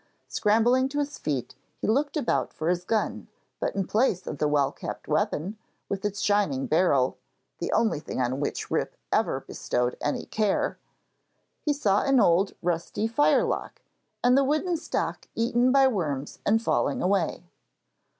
Scrambling to his feet, he looked about for his gun, but in place of the well kept weapon, with its shining barrel (the only thing on which Rip ever bestowed any care), he saw an old, rusty firelock, with the wooden stock eaten by worms and falling away.